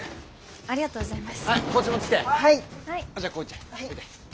ありがとうございます。